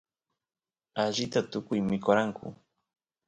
allita tukuy mikoranku